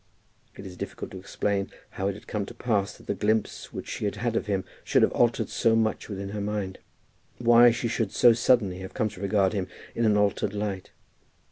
It is difficult to explain how it had come to pass that the glimpse which she had had of him should have altered so much within her mind; why she should so suddenly have come to regard him in an altered light.